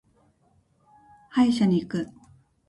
歯医者に行く。